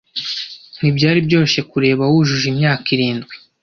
Ntibyari byoroshye kureba wujuje imyaka irindwi.